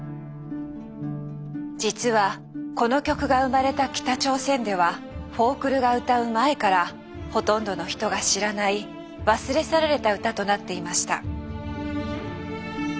実はこの曲が生まれた北朝鮮ではフォークルが歌う前からほとんどの人が知らない忘れ去られた歌となっていました。